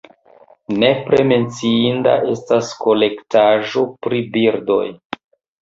Nepre menciinda estas kolektaĵo pri birdoj.